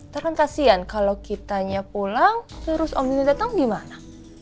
terus kan kasian kalo kitanya pulang terus om nino datang gimana